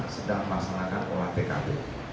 sedang melaksanakan olah tkp